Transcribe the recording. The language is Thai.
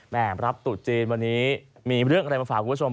แหมรับตัวจีนวันนี้มีเรื่องอะไรมาฝากุณผู้ชมบ้าง